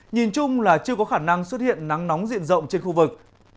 nhìn chung là chưa có khả năng xuất hiện nắng nóng diện rộng trên khu vực